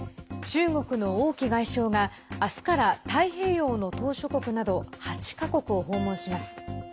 中国の王毅外相があすから太平洋の島しょ国など８か国を訪問します。